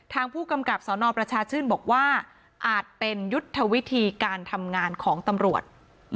ทางผู้กำกับสนประชาชื่นบอกว่าอาจเป็นยุทธวิธีการทำงานของตำรวจ